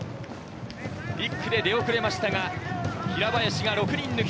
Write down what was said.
１区で出遅れましたが平林が６人抜き。